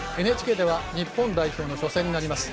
ＮＨＫでは日本代表の初戦になります